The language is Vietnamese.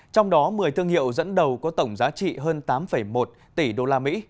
trong đó một mươi thương hiệu dẫn đầu có tổng giá trị hơn tám một tỷ đô la mỹ